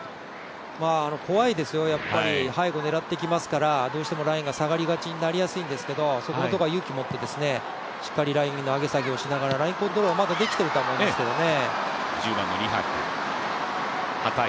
怖いですよ、やっぱり、背後を狙ってきますからどうしてもラインが下がりがちになりやすいんですけどそこのところは勇気持ってしっかりラインの上げ下げをしながら、ラインコントロールはまだできていると思いますけどね。